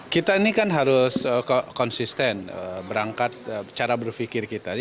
kita ini kan harus konsisten berangkat cara berpikir kita